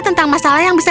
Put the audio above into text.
tentang masalah yang bisa